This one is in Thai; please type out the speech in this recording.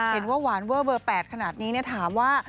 เห็นว่าหวานเวอร์เบอร์๘ขนาดนี้ถามว่า